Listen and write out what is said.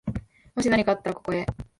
もしなにかあったら、ここへ。